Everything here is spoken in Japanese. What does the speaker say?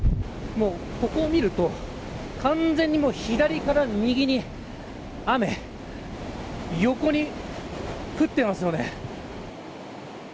ここを見ると完全に左から右に雨が横に降っていますよね。